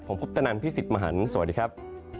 ผมคุปตนันพี่สิทธิ์มหันฯสวัสดีครับ